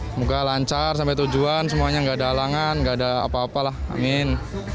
semoga lancar sampai tujuan semuanya enggak ada alangan enggak ada apa apa lah amin